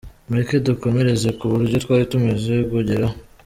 Mureke dukomereze ku byo twari tumaze kugeraho.